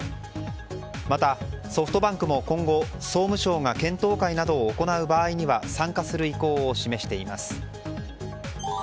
またソフトバンクも今後、総務省が検討会などを行う場合には参加する意向を示しています。